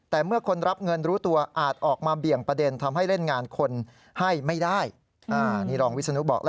แต่เมื่อคนรับเงินรู้ตัวอาจออกมาเบี่ยงประเด็นทำให้เล่นงานคนให้ไม่ได้